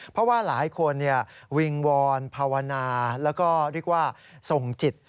เพราะว่าหลายคนวิงวอนภาวนาแล้วก็เรียกว่าส่งจิต